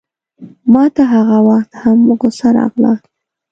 ماته هغه وخت هم غوسه راغله.